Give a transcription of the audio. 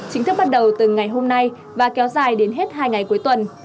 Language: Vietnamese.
chính thức bắt đầu từ ngày hôm nay và kéo dài đến hết hai ngày cuối tuần